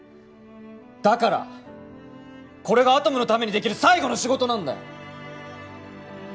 だからこれがアトムのためにできる最後の仕事なんだよ